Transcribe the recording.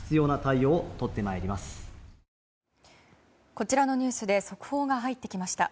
こちらのニュースで速報が入ってきました。